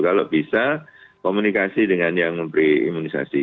kalau bisa komunikasi dengan yang memberi imunisasi